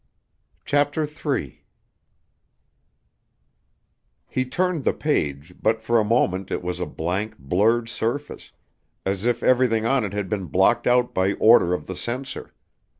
CHAPTER III He turned the page, but for a moment it was a blank, blurred surface, as if everything on it had been blocked out by order of the censor.